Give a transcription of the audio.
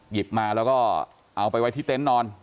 หยิบมาแล้วก็เอาไปไว้ที่เต็นต์นอน